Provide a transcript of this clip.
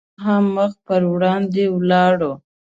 په سیند کې نور هم مخ پر وړاندې ولاړو.